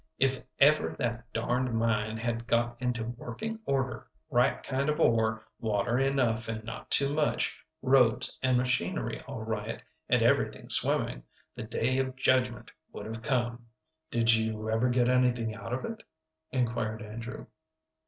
If ever that darned mine had got into working order, right kind of ore, water enough and not too much, roads and machinery all right, and everything swimming, the Day of Judgment would have come." "Did you ever get anything out of it?" inquired Andrew.